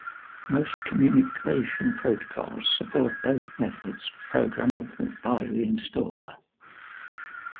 Most communication protocols support both methods, programmable by the installer.